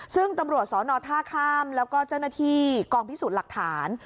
ซึ่งตำรวจสอนอท่าข้ามแล้วก็เจ้าหน้าที่กองพิสูจน์หลักฐาน